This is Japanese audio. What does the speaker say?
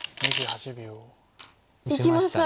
いきました。